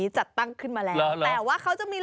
ชาวบ้าน